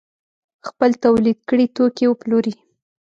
خپل تولید کړي توکي وپلوري.